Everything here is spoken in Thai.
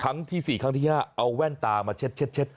ครั้งที่๔ครั้งที่๕เอาแว่นตามาเช็ด